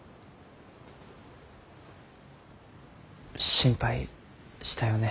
心配したよね。